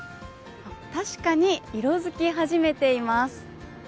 確かに色づき始めています。